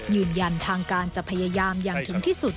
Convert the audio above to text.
ยืนยันทางการจะพยายามอย่างถึงที่สุด